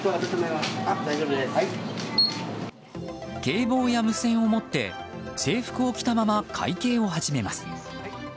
警棒や無線を持って制服を着たまま会計を始めます。